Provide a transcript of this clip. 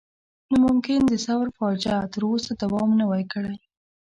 نو ممکن د ثور فاجعه تر اوسه دوام نه وای کړی.